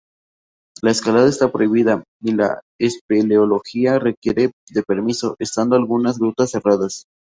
La escalada está prohibida y la espeleología requiere de permiso, estando algunas grutas cerradas.